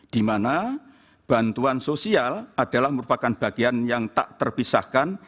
di mana bantuan sosial adalah merupakan bagian yang tak terpisahkan